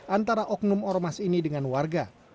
antara oknum ormas ini dengan warga